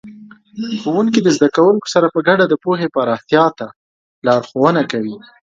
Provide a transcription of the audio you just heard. ښوونکي د زده کوونکو سره په ګډه د پوهې پراختیا ته لارښوونه کوي.